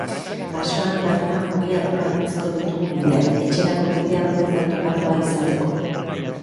Basoan barna ogi apurrak utziko ditugu bidean, etxerako bidea bueltan topatu ahal izateko.